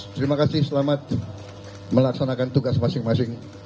terima kasih selamat melaksanakan tugas masing masing